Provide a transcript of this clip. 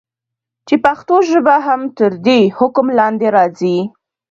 چې پښتو ژبه هم تر دي حکم لاندي راځي.